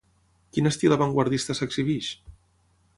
Quin estil avantguardista s'exhibeix?